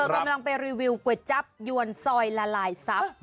เธอกำลังไปรีวิวกล่วยจับยวนซอยละลายซับ